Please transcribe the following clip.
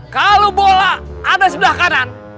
kalau bola ada sebelah kanan